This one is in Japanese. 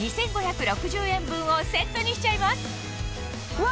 うわ！